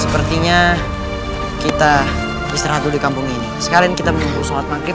sepertinya kita istirahat dulu di kampung ini sekarang kita menunggu sholat maghrib